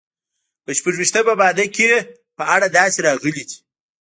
په شپږویشتمه ماده کې یې په اړه داسې راغلي دي.